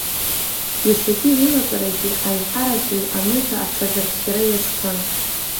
Иахьатәи реилатәарагьы аиҳарак уи аныҳәа аҽазырхиара иазкын.